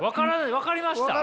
分かりました？